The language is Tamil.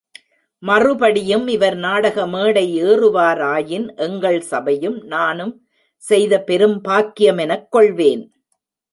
மறுபடியும் இவர் நாட்க மேடை ஏறுவாராயின், எங்கள் சபையும் நானும் செய்த பெரும்பாக்கியமெனக் கொள்வேன்.